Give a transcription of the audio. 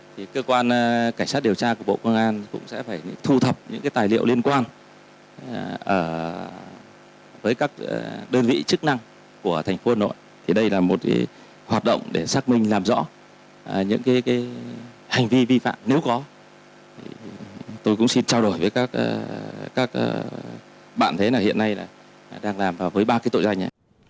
hành vi vi phạm nếu có tôi cũng xin trao đổi với các bạn thế nào hiện nay đang làm với ba tội danh